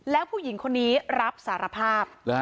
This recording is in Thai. แล้วผู้หญิงคนนี้รับสารภาพ